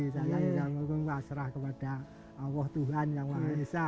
saya tidak mau berhasil kepada allah tuhan yang maha nisa